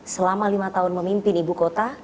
selama lima tahun memimpin ibu kota